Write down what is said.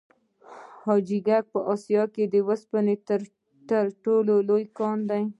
حاجي ګک په اسیا کې د وسپنې تر ټولو لوی کان دی.